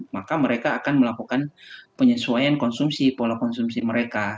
maka mereka akan melakukan penyesuaian konsumsi pola konsumsi mereka